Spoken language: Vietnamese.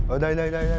ờ đây đây đây đây